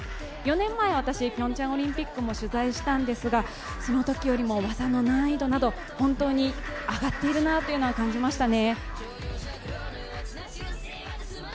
４年前、私、ピョンチャンオリンピックも取材したんですが、そのときよりも技の難易度など、本当に上がっているなというのは感じましたね。